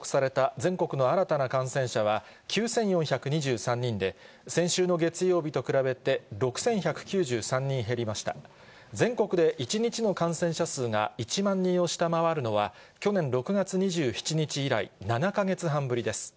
全国で１日の感染者数が１万人を下回るのは、去年６月２７日以来、７か月半ぶりです。